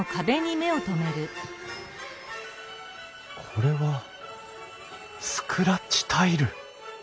これはスクラッチタイル！